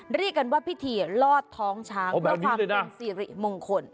เรียกกันว่าพิธีลอดท้องช้างเพื่อความเป็นสิริมงคล